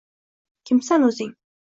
Kimsan o‘zing?